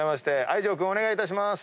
藍丈君お願いいたします。